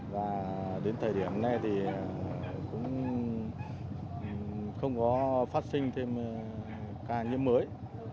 và đến thời điểm này thì cũng không có phát sinh thêm ca nhiễm mới